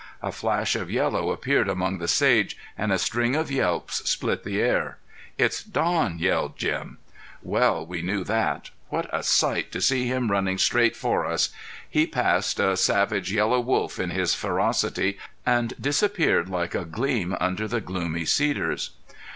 A flash of yellow appeared among the sage and a string of yelps split the air. "It's Don!" yelled Jim. Well we knew that. What a sight to see him running straight for us! He passed, a savage yellow wolf in his ferocity, and disappeared like a gleam under the gloomy cedars.